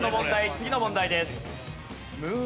次の問題です。